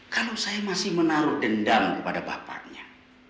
kalau saya masih menaruh dendam kepada bapaknya